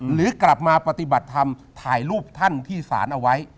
หรือกลับมาปฏิบัติธรรมถ่ายรูปท่านที่ศาลเอาไว้